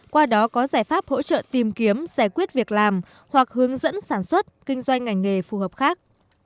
qua đó có giải pháp hỗ trợ tìm kiếm giải quyết việc làm hoặc hướng dẫn sản xuất kinh doanh ngành nghề phù hợp khác